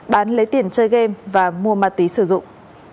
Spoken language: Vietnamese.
bán lấy tiền chơi game và mua ma túy sử dụng